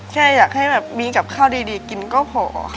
แค่อยากให้แบบมีกับข้าวดีกินก็พอค่ะ